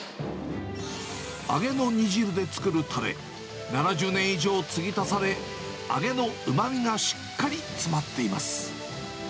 揚げの煮汁で作るたれ、７０年以上つぎ足され、揚げのうまみがしっかり詰まっています。